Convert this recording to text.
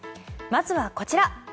まずはこちら。